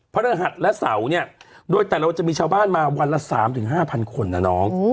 พระราชและเสาร์เนี้ยโดยแต่เราจะมีชาวบ้านมาวันละสามถึงห้าพันคนน่ะน้อง